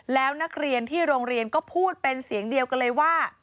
แล้วนักเรียนที่โรงเรียนก็พูดเป็นเสียงเดียวกันเลยว่า